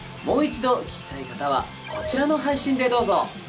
もう一度聴きたい方はこちらの配信でどうぞ。